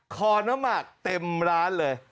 คอน้ำหมากเต็มร้านเลย